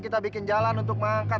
masih lanjut vnd masa